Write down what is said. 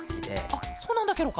あっそうなんだケロか？